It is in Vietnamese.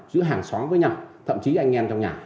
giữa hàng xóm với nhau thậm chí anh em trong nhà